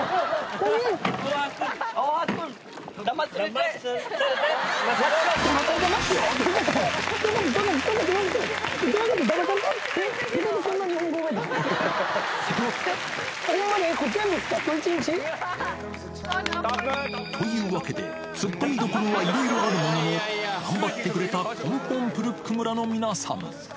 ほんまに？というわけで、ツッコミどころはいろいろあるものの、頑張ってくれたコンポン・プルック村の皆さん。